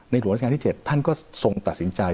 หลวงราชการที่๗ท่านก็ทรงตัดสินใจ